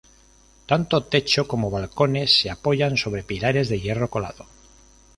Tanto techo como balcones se apoyan sobre pilares de hierro colado.